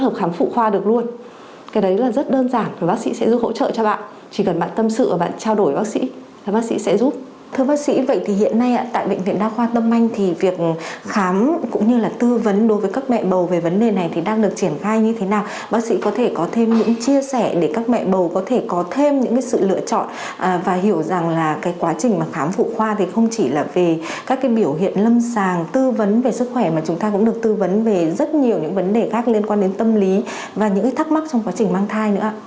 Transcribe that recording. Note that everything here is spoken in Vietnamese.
bác sĩ có thể có thêm những chia sẻ để các mẹ bầu có thể có thêm những sự lựa chọn và hiểu rằng là cái quá trình khám phụ khoa thì không chỉ là về các biểu hiện lâm sàng tư vấn về sức khỏe mà chúng ta cũng được tư vấn về rất nhiều những vấn đề khác liên quan đến tâm lý và những thắc mắc trong quá trình mang thai nữa ạ